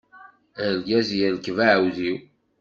Argaz yerkeb aɛudiw.